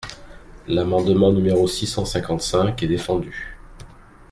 L’amendement numéro six cent cinquante-cinq est défendu.